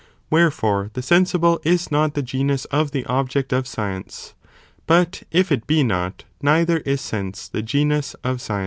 Wherefore, the sensible is not the genus of the object of science, but if it be not, neither is sense, the genus of science.